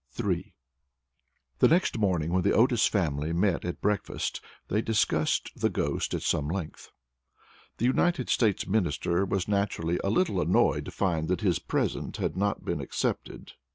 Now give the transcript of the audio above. III The next morning, when the Otis family met at breakfast, they discussed the ghost at some length. The United States Minister was naturally a little annoyed to find that his present had not been accepted.